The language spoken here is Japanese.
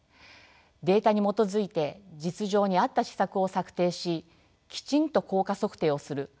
データに基づいて実情に合った施策を策定しきちんと効果測定をする。